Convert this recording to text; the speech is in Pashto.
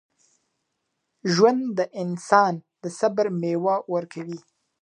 ژوند د انسان د صبر میوه ورکوي.